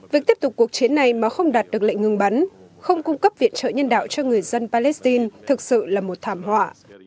việc tiếp tục cuộc chiến này mà không đạt được lệnh ngừng bắn không cung cấp viện trợ nhân đạo cho người dân palestine thực sự là một thảm họa